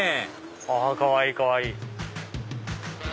かわいいかわいい！